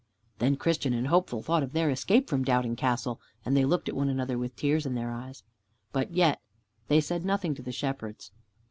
Then Christian and Hopeful thought of their escape from Doubting Castle, and they looked at one another with tears in their eyes. But yet they said nothing to the Shepherds.